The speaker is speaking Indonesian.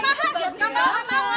enggak mau enggak mau enggak mau